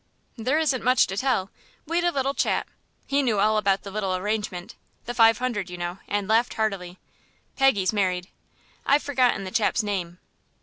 "There isn't much to tell. We'd a little chat. He knew all about the little arrangement, the five hundred, you know, and laughed heartily. Peggy's married. I've forgotten the chap's name."